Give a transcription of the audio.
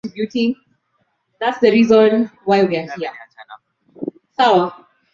Mara moja Commodus aliona mtu aliyeketi karibu naye alipokuwa akienda bald